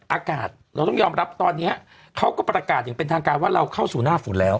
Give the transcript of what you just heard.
อากาศเราต้องยอมรับตอนนี้เขาก็ประกาศอย่างเป็นทางการว่าเราเข้าสู่หน้าฝนแล้ว